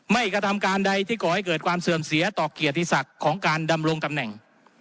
กระทำการใดที่ก่อให้เกิดความเสื่อมเสียต่อเกียรติศักดิ์ของการดำรงตำแหน่ง